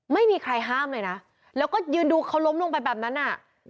ไม่มีใครห้ามเลยนะแล้วก็ยืนดูเขาล้มลงไปแบบนั้นอ่ะ